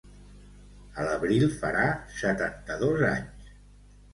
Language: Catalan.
A l’abril farà setanta-dos anys.